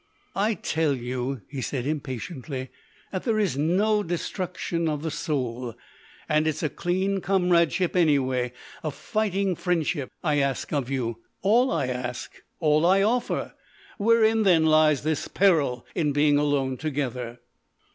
"I tell you," he said, impatiently, "that there is no destruction of the soul—and it's a clean comradeship anyway—a fighting friendship I ask of you—all I ask; all I offer! Wherein, then, lies this peril in being alone together?"